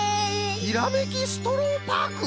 ひらめきストローパーク！？